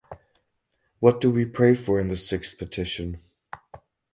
What do we pray for in the sixth petition?